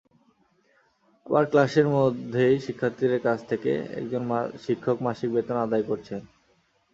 আবার ক্লাসের মধ্যেই শিক্ষার্থীদের কাছ থেকে একজন শিক্ষক মাসিক বেতন আদায় করছেন।